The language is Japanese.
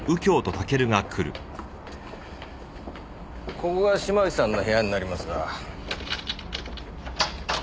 ここが島内さんの部屋になりますが。